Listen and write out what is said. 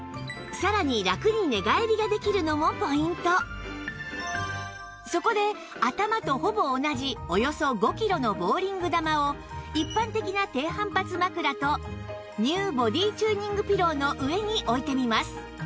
さらにそこで頭とほぼ同じおよそ５キロのボウリング球を一般的な低反発枕と ＮＥＷ ボディチューニングピローの上に置いてみます